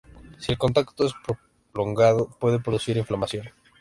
Si el contacto es prolongado puede producir inflamación.